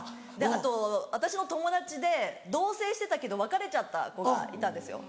あと私の友達で同棲してたけど別れちゃった子がいたんですよ